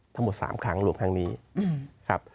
ทั้งหมด๓ครั้งรวมครั้งนี้ครับ